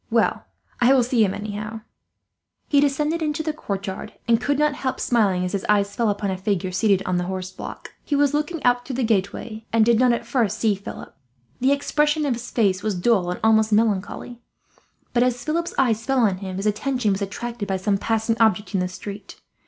Well, I will see him, anyhow." [Illustration: Philip gets his first look at Pierre.] He descended into the courtyard, and could not help smiling as his eye fell upon a figure seated on the horse block. He was looking out through the gateway, and did not at first see Philip. The expression of his face was dull and almost melancholy, but as Philip's eye fell on him his attention was attracted by some passing object in the street.